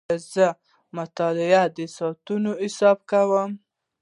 زه د مطالعې د ساعتونو حساب کوم.